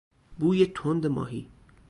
بوی تند ماهی